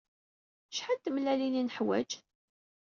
Acḥal n tmellalin ay neḥwaj?